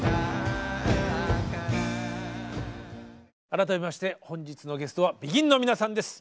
改めまして本日のゲストはＢＥＧＩＮの皆さんです。